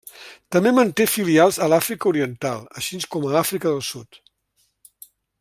També manté filials a Àfrica Oriental, així com a Àfrica del Sud.